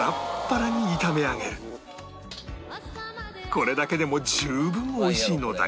これだけでも十分おいしいのだが